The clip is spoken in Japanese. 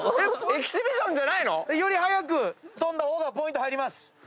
エキシビションじゃないの？より早く飛んだ方がポイント入ります。